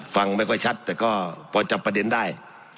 ฟังไม่ค่อยชัดแต่ก็พอจับประเด็นได้